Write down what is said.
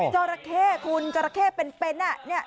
จอระเข้คุณจอระเข้เป็นนี่